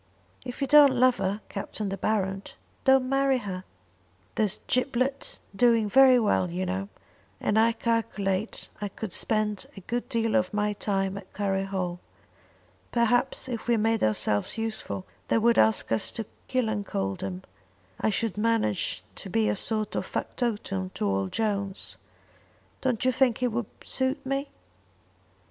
"If you don't love her, Captain De Baron, don't marry her." "There's Giblet doing very well, you know; and I calculate I could spend a good deal of my time at Curry Hall. Perhaps if we made ourselves useful, they would ask us to Killancodlem. I should manage to be a sort of factotum to old Jones. Don't you think it would suit me?"